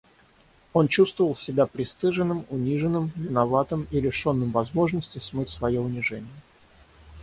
Он чувствовал себя пристыженным, униженным, виноватым и лишенным возможности смыть свое унижение.